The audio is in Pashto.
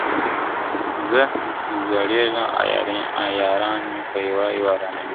زه زړېږم او یاران مي یو په یو رانه بیلیږي-